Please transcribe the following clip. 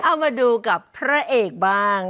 เอามาดูกับพระเอกบ้าง